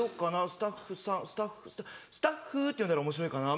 スタッフさんスタッフスタッフ！って呼んだらおもしろいかな？」